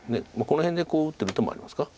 この辺で打ってると手もありますか。